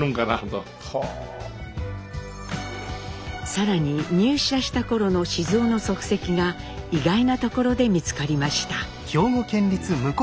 更に入社した頃の雄の足跡が意外なところで見つかりました。